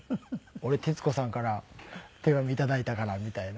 「俺徹子さんから手紙頂いたから」みたいな。